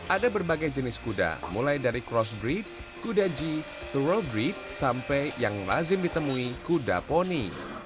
ada berbagai jenis kuda mulai dari crossbrid kuda g turbrid sampai yang lazim ditemui kuda poni